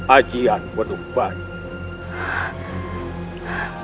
ajian waduk banyu